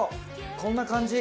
こんな感じ。